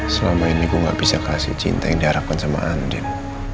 selama ini gue gak bisa kasih cinta yang diarahkan sama andin